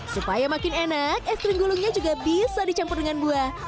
supaya makin enak es krim gulungnya juga bisa dicampur dengan buah